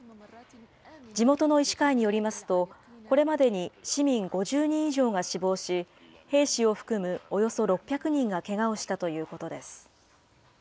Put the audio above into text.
地元の医師会によりますと、これまでに市民５０人以上が死亡し、兵士を含むおよそ６００人がけがをしたということです。